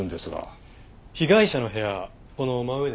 被害者の部屋この真上ですけど。